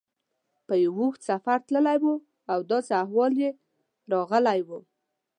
په یو اوږد سفر تللی و او داسې احوال یې راغلی و.